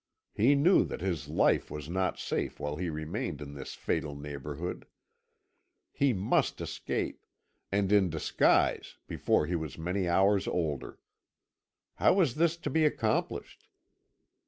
He knew that his life was not safe while he remained in this fatal neighbourhood. He must escape, and in disguise, before he was many hours older. How was this to be accomplished?